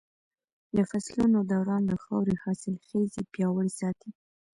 د فصلونو دوران د خاورې حاصلخېزي پياوړې ساتي.